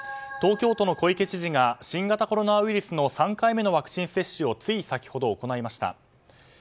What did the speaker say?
東京都の小池知事が新型コロナウイルスの３回目のワクチン接種をつい先ほど行いました。